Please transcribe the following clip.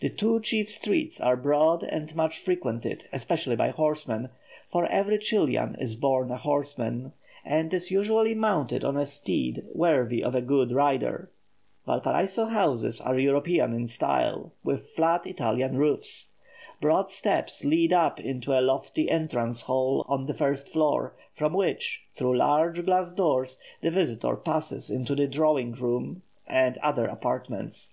The two chief streets are broad and much frequented, especially by horsemen, for every Chilian is born a horseman, and is usually mounted on a steed worthy of a good rider. Valparaiso houses are European in style, with flat Italian roofs. Broad steps lead up into a lofty entrance hall on the first floor, from which, through large glass doors, the visitor passes into the drawing room and other apartments.